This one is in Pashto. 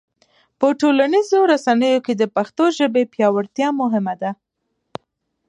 په ټولنیزو رسنیو کې د پښتو ژبې پیاوړتیا مهمه ده.